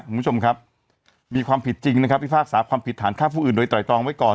คุณผู้ชมครับมีความผิดจริงนะครับพิพากษาความผิดฐานฆ่าผู้อื่นโดยไตรตรองไว้ก่อน